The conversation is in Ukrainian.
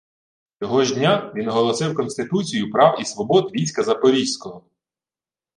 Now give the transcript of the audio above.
Цього ж дня він оголосив «Конституцію прав і свобод війська Запорізького»